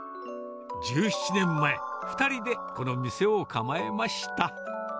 １７年前、２人でこの店を構えました。